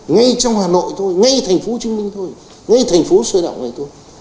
ngay trong hà nội thôi ngay thành phố trưng minh thôi ngay thành phố sơ đạo này thôi